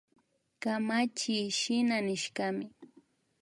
Kamachiy shina nishkami